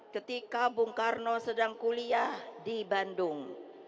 ketika bung karno sedang kuliah di bandung